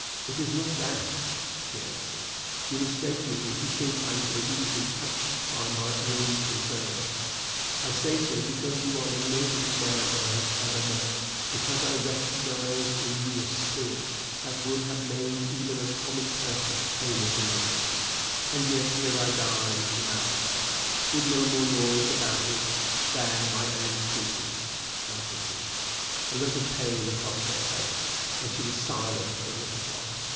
"It is not that," she answered. "You mistake me if you think I am so easily touched by my own concerns. I say so, because you are the noblest man I have ever met; because I recognize in you a spirit that would have made even a common person famous in the land." "And yet here I die in a mousetrap with no more noise about it than my own squeaking," answered he. A look of pain crossed her face, and she was silent for a little while.